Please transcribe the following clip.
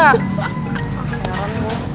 gimana keren gak